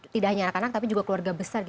tidak hanya anak anak tapi juga keluarga besar